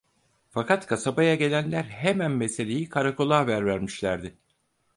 Fakat kasabaya gelenler hemen meseleyi karakola haber vermişlerdi.